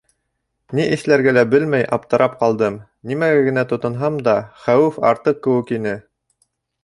Ни эшләргә лә белмәй аптырап ҡалдым, нимәгә генә тотонһам да, хәүеф артыр кеүек ине.